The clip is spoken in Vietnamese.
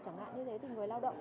chẳng hạn như thế thì người lao động